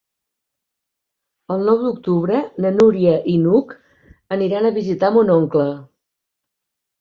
El nou d'octubre na Núria i n'Hug aniran a visitar mon oncle.